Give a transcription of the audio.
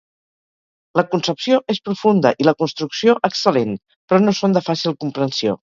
La concepció és profunda i la construcció excel·lent, però no són de fàcil comprensió.